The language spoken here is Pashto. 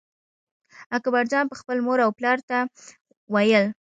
اکبرجان به خپل مور او پلار ته ویل.